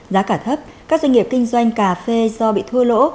giá cả thấp các doanh nghiệp kinh doanh cà phê do bị thua lỗ